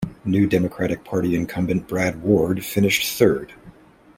New Democratic Party incumbent Brad Ward finished third.